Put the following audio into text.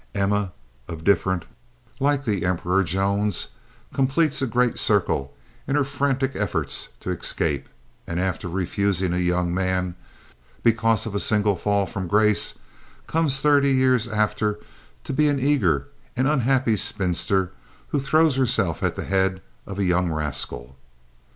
Emma of Diff'rent, like the Emperor Jones, completes a great circle in her frantic efforts to escape and, after refusing a young man, because of a single fall from grace, comes thirty years after to be an eager and unhappy spinster who throws herself at the head of a young rascal.